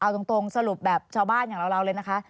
เอาตรงสรุปแบบชาวบ้านอย่างเราเลยนะคะ